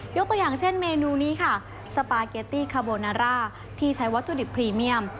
ตัวอย่างเช่นเมนูนี้ค่ะสปาเกตตี้คาโบนาร่าที่ใช้วัตถุดิบพรีเมียม